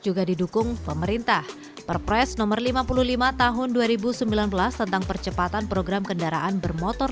juga didukung pemerintah perpres nomor lima puluh lima tahun dua ribu sembilan belas tentang percepatan program kendaraan bermotor